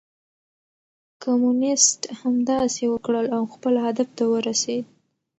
کمونيسټ همداسې وکړل او خپل هدف ته ورسېد.